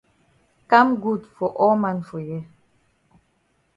Kam good for all man for here.